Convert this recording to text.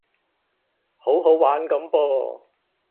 好好玩噉噃